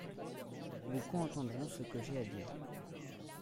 Beaucoup entendront ce que j'ai à dire.